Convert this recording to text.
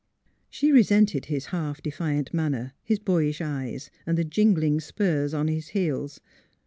She resented his half defiant manner, his boyish eyes, and the jingling spurs upon his heels.